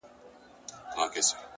ساقي وتاته مو په ټول وجود سلام دی پيره’